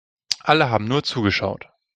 Alle haben nur zugeschaut.